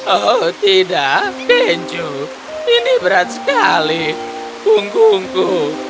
oh tidak benjo ini berat sekali punggungku